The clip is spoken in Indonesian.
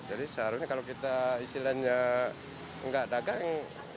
jadi seharusnya kalau kita istilahnya nggak dagang